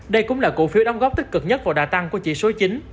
đây cũng là cổ phiếu đóng góp tích cực nhất vào đa tăng của chỉ số chính